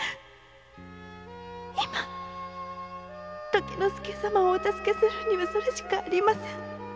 今時之介様をお助けするにはそれしかありません